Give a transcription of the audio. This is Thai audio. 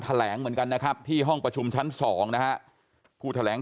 แถลงเหมือนกันนะครับที่ห้องประชุมชั้น๒นะฮะผู้แถลง